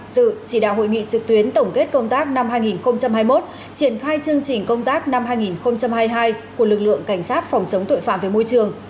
sự chỉ đạo hội nghị trực tuyến tổng kết công tác năm hai nghìn hai mươi một triển khai chương trình công tác năm hai nghìn hai mươi hai của lực lượng cảnh sát phòng chống tội phạm về môi trường